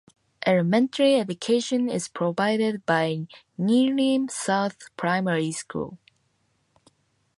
Elementary education is provided by Neerim South Primary School.